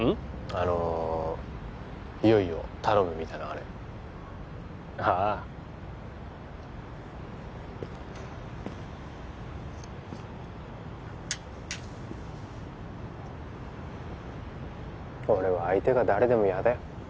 あの悠依を頼むみたいなあれああ俺は相手が誰でも嫌だよ